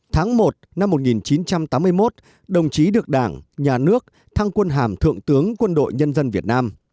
tháng một năm một nghìn chín trăm tám mươi một đồng chí được đảng nhà nước thăng quân hàm thượng tướng quân đội nhân dân việt nam